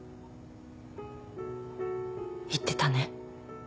言ってたね。